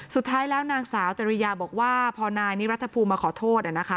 สุดท้ายแล้วนางสาวจริยาบอกว่าพอนายนิรัฐภูมิมาขอโทษ